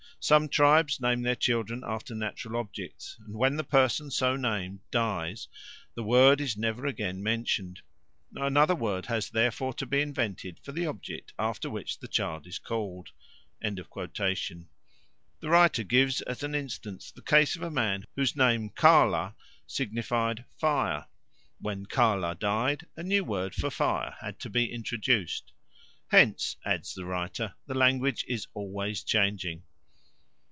Some tribes name their children after natural objects; and when the person so named dies, the word is never again mentioned; another word has therefore to be invented for the object after which the child was called." The writer gives as an instance the case of a man whose name Karla signified "fire"; when Karla died, a new word for fire had to be introduced. "Hence," adds the writer, "the language is always changing."